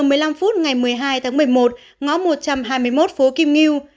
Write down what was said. một mươi giờ một mươi năm phút ngày một mươi hai tháng một mươi một ngõ một trăm hai mươi một phố kim nghiu